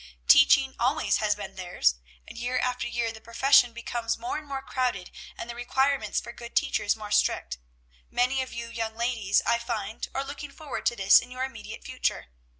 "Teaching always has been theirs, and year after year the profession becomes more and more crowded and the requirements for good teachers more strict. Many of you, young ladies, I find are looking forward to this in your immediate future.